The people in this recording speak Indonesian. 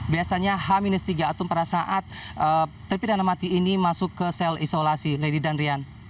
biasanya h tiga atau perasaan terpidana mati ini masuk ke sel isolasi lady danrian